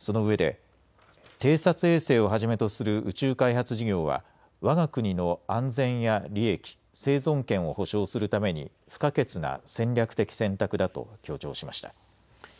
そのうえで偵察衛星をはじめとする宇宙開発事業はわが国の安全や利益、生存権を保証するために不可欠な戦略的選択だと強調しました。